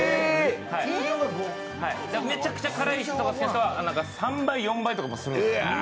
めちゃくちゃ辛いのが好きな人は３倍、４倍とかするんです。